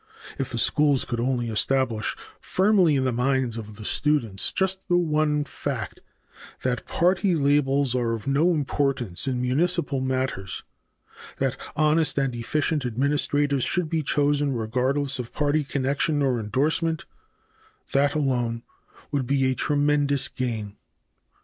If the schools could only establish firmly in the minds of the students just the one fact that party labels are of no importance in municipal matters, that honest and efficient administrators should be chosen regardless of party connection or endorsement that alone would be a tremendous gain.